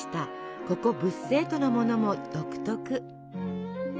ここブッセートのものも独特。